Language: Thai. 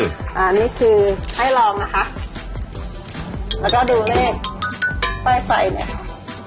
ไฟไฟเนี่ย